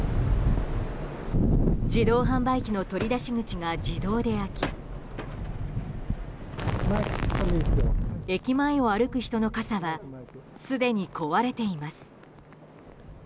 自動販売機の取り出し口が自動で開き駅前を歩く人の傘はすでに壊れています。